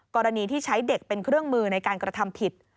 กรณีที่ใช้เด็กเป็นเครื่องมือในการกระทำผิด